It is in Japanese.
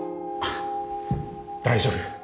大丈夫。